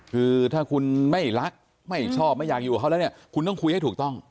คือถ้าคุณไม่รักไม่ชอบไม่อยากอยู่กับเขาแล้วเนี่ยคุณต้องคุยให้ถูกต้อง